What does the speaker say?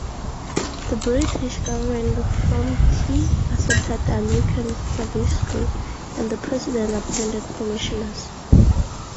The British government promptly accepted the American proviso and the president appointed commissioners.